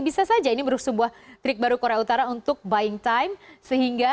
bisa saja ini merupakan sebuah trik baru korea utara untuk buying time